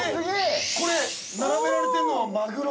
これ並べられているの、マグロ。